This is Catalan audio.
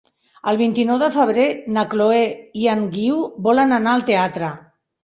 El vint-i-nou de febrer na Chloé i en Guiu volen anar al teatre.